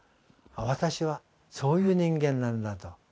私はそういう人間なんだと。